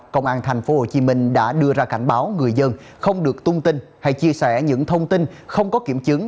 công an tp hcm đã đưa ra cảnh báo người dân không được tung tin hay chia sẻ những thông tin không có kiểm chứng